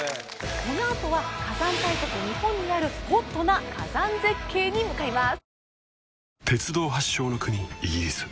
このあとは火山大国日本にあるホットな火山絶景に向かいます